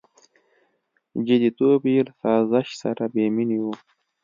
• جديتوب یې له سازش سره بېمینه و.